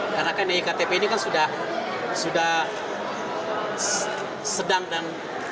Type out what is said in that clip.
karena kan iktp ini kan sudah sedang dan